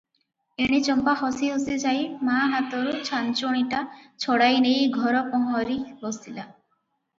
ଏଣେ ଚମ୍ପା ହସି ହସି ଯାଇ ମା ହାତରୁ ଛାଞ୍ଚୁଣିଟା ଛଡ଼ାଇ ନେଇ ଘର ପହଁରି ବସିଲା ।